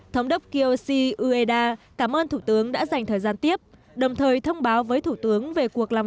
thống đốc kiyoshi ueda cảm ơn thủ tướng đã dành thời gian tiếp đồng thời thông báo với thủ tướng về cuộc làm